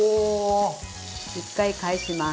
一回返します。